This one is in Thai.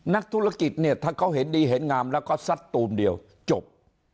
นักธุรกิจเนี่ยถ้าเขาเห็นดีเห็นงามแล้วก็ซัดตูมเดียวจบ